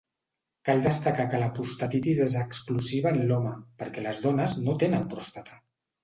Cal destacar que la prostatitis és exclusiva en l'home perquè les dones no tenen pròstata.